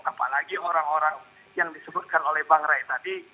apalagi orang orang yang disebutkan oleh bang ray tadi